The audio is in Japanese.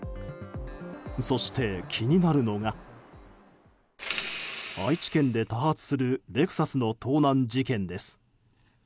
そして、気になるのが愛知県で多発するレクサスの盗難事件です。